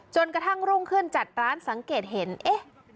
กระทั่งรุ่งขึ้นจัดร้านสังเกตเห็นเอ๊ะ